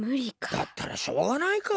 だったらしょうがないか。